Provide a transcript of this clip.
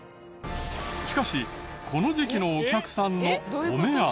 しかしこの時期のお客さんのお目当ては。